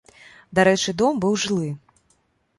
Дарэчы, дом быў жылы.